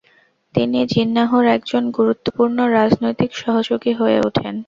তিনি জিন্নাহর একজন গুরুত্বপূর্ণ রাজনৈতিক সহযোগী হয়ে উঠেন।